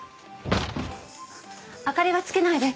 明かりはつけないで。